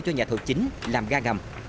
cho nhà thậu chính làm ga gầm